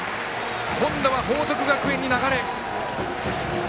今度は報徳学園に流れ。